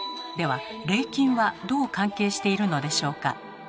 では礼金はどう関係しているのでしょうか。